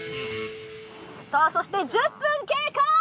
さあそして１０分経過！